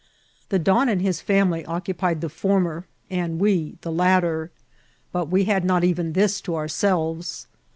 The don and his &mily occupied the former, and w% the latter ; but we had not even this to ourtelves.